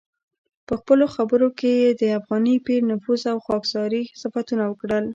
په خپلو خبرو کې یې د افغاني پیر نفوذ او خاکساري صفتونه وکړل.